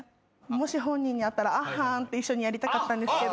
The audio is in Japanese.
もし本人に会ったらあっはんって一緒にやりたかったんですが。